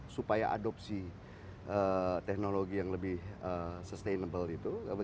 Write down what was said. supaya adopsi teknologi yang lebih sustainable itu